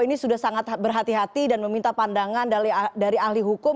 ini sudah sangat berhati hati dan meminta pandangan dari ahli hukum